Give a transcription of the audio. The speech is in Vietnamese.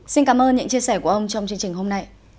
xin cảm ơn những chia sẻ của ông trong chương trình hôm nay